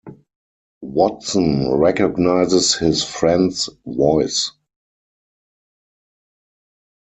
Watson recognizes his friend's voice.